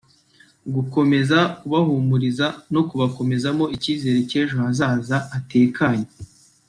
gukomeza kubahumuriza no kubakomezamo icyizere cy’ejo hazaza hatekanye